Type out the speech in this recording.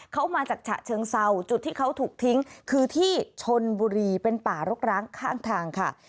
เขามาจากฉะเชิงเซาจุดที่เขาถูกทิ้งคือที่ชนบุรีเป็นป่ารกร้างข้างทางค่ะ